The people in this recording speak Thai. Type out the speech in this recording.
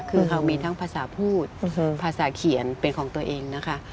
คือเขามีทั้งภาษาพูดภาษาเขียนเป็นของตัวเองนะคะ